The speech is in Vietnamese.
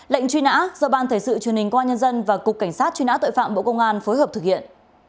lệnh truy nã do ban thể sự truyền hình công an nhân dân và cục cảnh sát truy nã tội phạm bộ công an phối hợp thực hiện